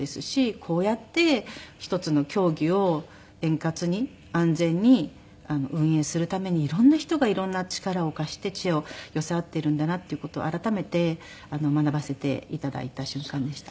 こうやって一つの競技を円滑に安全に運営するために色んな人が色んな力を貸して知恵を寄せ合っているんだなっていう事を改めて学ばせて頂いた瞬間でした。